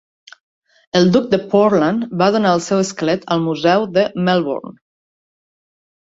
El duc de Portland va donar el seu esquelet al Museu de Melbourne.